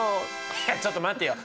ちょっと待ってよ